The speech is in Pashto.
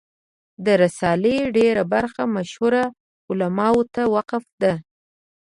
د رسالې ډېره برخه مشهورو علماوو ته وقف ده.